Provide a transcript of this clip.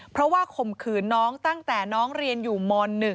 เพราะว่าข่มขืนน้องตั้งแต่น้องเรียนอยู่ม๑